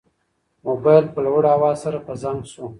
موبایل په لوړ اواز سره په زنګ شو.